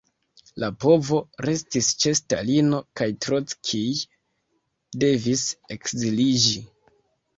La povo restis ĉe Stalino, kaj Trockij devis ekziliĝi.